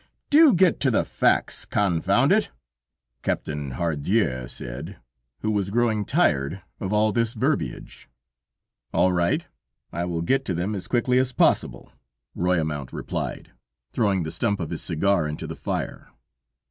"Do get to the facts, confound it," Captain Hardeur said, who was growing tired of all this verbiage. "All right, I will get to them as quickly as possible," Royaumont replied, throwing the stump of his cigar into the fire.